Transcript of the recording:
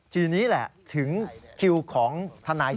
ทีนี้แหละถึงคิวของถ